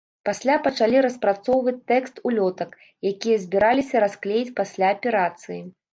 Пасля пачалі распрацоўваць тэкст улётак, якія збіраліся расклеіць пасля аперацыі.